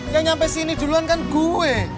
yang nyampe sini duluan kan gue